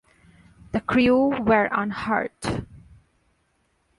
The crew were unhurt.